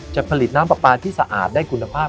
จะผลิตน้ำปลาปลาที่สะอาดได้คุณภาพ